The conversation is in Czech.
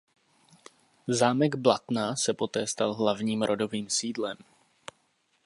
Zámek Blatná se poté stal hlavním rodovým sídlem.